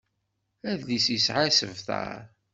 Adlis yesɛa isebtar.